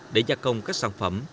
để gia công các sản phẩm